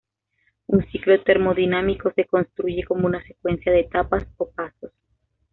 Un ciclo termodinámico se construye como una secuencia de etapas o pasos.